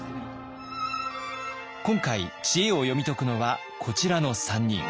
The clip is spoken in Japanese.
今回知恵を読み解くのはこちらの３人。